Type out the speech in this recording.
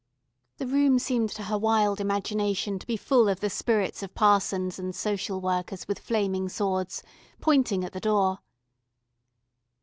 The room seemed to her wild imagination to be full of the spirits of parsons and social workers with flaming swords, pointing at the door.